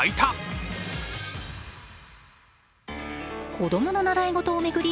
子供の習い事を巡り